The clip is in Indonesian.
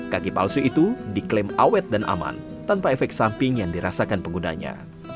kaki palsu itu diklaim awet dan aman tanpa efek samping yang dirasakan penggunanya